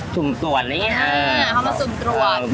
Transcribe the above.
สุ่มตรวจอะไรอย่างนี้